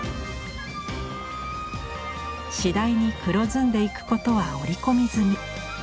次第に黒ずんでいくことは織り込み済み。